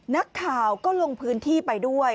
นักข่าวก็ลงพื้นที่ไปด้วย